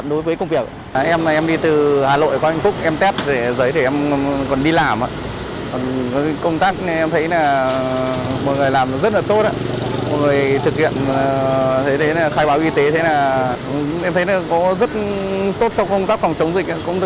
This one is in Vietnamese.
mọi người làm rất là tốt mọi người thực hiện khai báo y tế em thấy rất tốt trong công tác phòng chống dịch